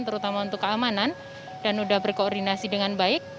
terutama untuk keamanan dan sudah berkoordinasi dengan baik